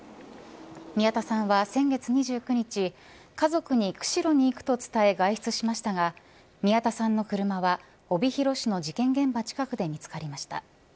宮田さんは先月２９日家族に釧路に行くと伝え外出しましたが宮田さんの車は帯広市の事件現場近くで見つかりました。